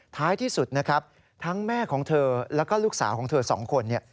ท้ายที่สุดนะครับทั้งแม่ของเธอและลูกสาวของเธอ๒คน